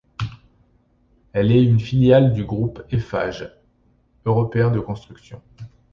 Elle est une filiale du Groupe Eiffage, européen de construction.